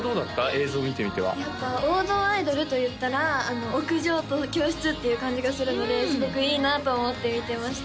映像見てみてはやっぱ王道アイドルといったらあの屋上と教室っていう感じがするのですごくいいなと思って見てました